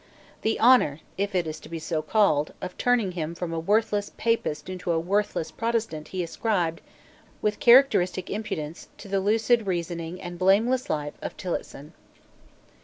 The honour, if it is to be so called, of turning him from a worthless Papist into a worthless Protestant he ascribed, with characteristic impudence, to the lucid reasoning and blameless life of Tillotson.